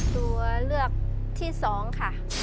ตัวเลือกที่๒ค่ะ